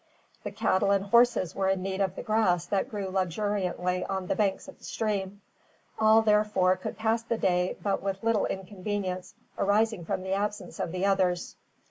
The cattle and horses were in need of the grass that grew luxuriantly on the banks of the stream. All, therefore, could pass the day with but little inconvenience arising from the absence of the others.